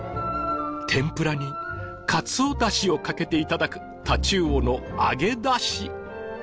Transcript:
天ぷらにカツオだしをかけて頂くタチウオの揚げだし。